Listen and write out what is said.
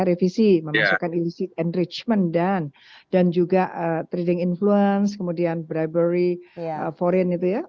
revisi memasukkan illicit enrichment dan juga trading influence kemudian briberry foreign itu ya